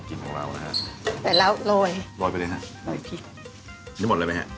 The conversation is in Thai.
พูดแล้วก็รับหลาย